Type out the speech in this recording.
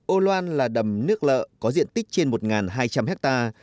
âu loan là đầm nước lợ có diện tích trên một hai trăm linh ha